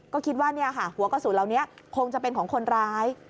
ก็คิดว่าหัวกระสุนเหล่านี้คงจะเป็นของคนร้าย